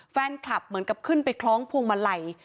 แฟนคลับเหมือนกับขึ้นไปคล้องพวงมาลัย